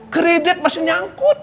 kredit masih nyangkut